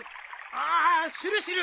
ああするする。